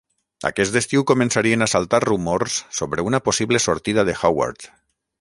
Aquest estiu començarien a saltar rumors sobre una possible sortida de Howard.